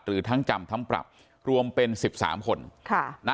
หรือทั้งจำทั้งปรับรวมเป็น๑๓คน